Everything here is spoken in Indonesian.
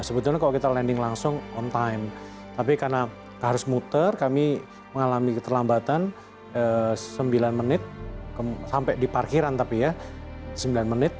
sebetulnya kalau kita landing langsung on time tapi karena harus muter kami mengalami keterlambatan sembilan menit sampai di parkiran tapi ya sembilan menit